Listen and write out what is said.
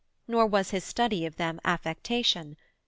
Nor was his study of them affectation.